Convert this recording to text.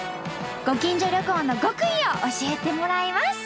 ご近所旅行の極意を教えてもらいます！